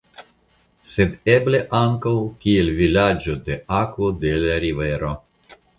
Sed eble ankaŭ kiel "Vilaĝo de Akvo de la Rivero".